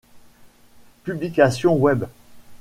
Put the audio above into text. Publication Web.